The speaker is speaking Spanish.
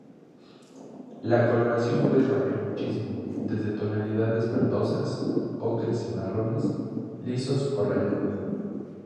La coloración puede variar muchísimo, desde tonalidades verdosas, ocres y marrones, lisos o rayados.